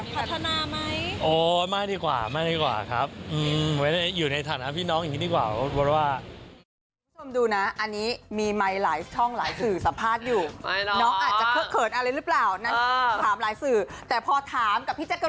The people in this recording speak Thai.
เป็นพี่น้องกันไม่มีอะไร